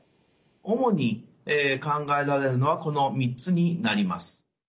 主に考えられるのはこの３つになります。